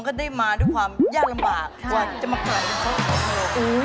มันก็ได้มาด้วยความยากลำบากกว่าจะมากลายเป็นซอสหอยนังลม